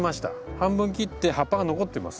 半分切って葉っぱが残ってます。